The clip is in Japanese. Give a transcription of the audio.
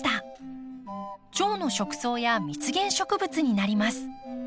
チョウの食草や蜜源植物になります。